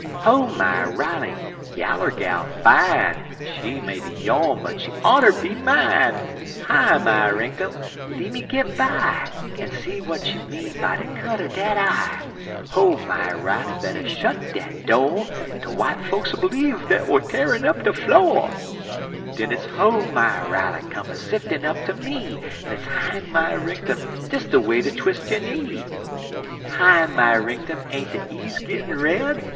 Ho my Riley! Yaller gal fine; She may be yone but she oughter be mine! Hi my rinktum! Lemme git by, En see w'at she mean by de cut er dat eye! Ho my Riley! better shet dat do' De w'ite folks 'll bleeve we er t'arin up de flo'. Den it's ho my Riley! Come a siftin' up ter me! En it's hi my rinktum! Dis de way ter twis' yo' knee! Hi my rinktum! Ain't de eas' gittin' red?